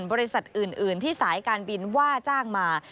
บริษัทอื่นที่สายการบินว่าจ้างมา